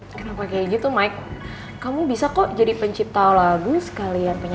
kenapa kayak gitu mike